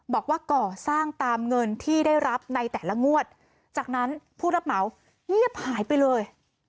บอกว่าก่อสร้างตามเงินที่ได้รับในแต่ละงวดจากนั้นผู้รับเหมาเงียบหายไปเลย